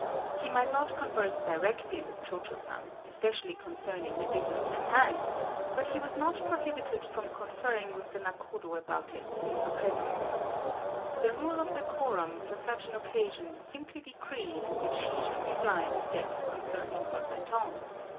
He might not converse directly with Cho Cho San, especially concerning the business in hand; but he was not pro hibited from conferring with the nakodo about it in her presence. The rule of deco rum for such an occasion simply decreed that she should be blind and deaf concerning what went on.